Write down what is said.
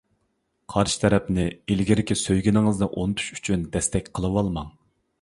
قارشى تەرەپنى ئىلگىرىكى سۆيگىنىڭىزنى ئۇنتۇش ئۈچۈن دەستەك قىلىۋالماڭ.